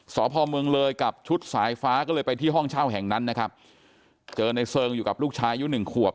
สพเมืองเลยกับชุดสายฟ้าก็เลยไปที่ห้องเช่าแห่งนั้นนะครับเจอในเซิงอยู่กับลูกชายอายุหนึ่งขวบ